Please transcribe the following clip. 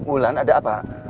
ulan ada apa